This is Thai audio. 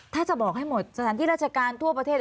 ถ้าจะบอกให้หมดสถานที่ราชการทั่วประเทศ